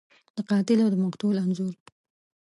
د قاتل او د مقتول انځور